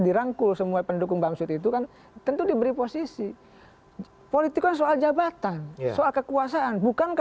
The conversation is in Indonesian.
dirangkul semua pendukung bamsud itu kan tentu diberi posisi politika soal jabatan soal kekuasaan bukankah